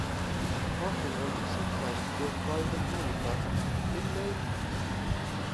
Martin also sometimes goes by the moniker "Illy B".